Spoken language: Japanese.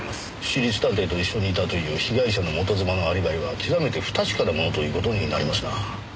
私立探偵と一緒にいたという被害者の元妻のアリバイはきわめて不確かなものという事になりますな。